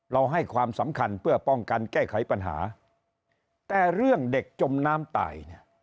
ให้ความสำคัญเพื่อป้องกันแก้ไขปัญหาแต่เรื่องเด็กจมน้ำตายเนี่ย